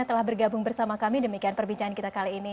telah bergabung bersama kami demikian perbincangan kita kali ini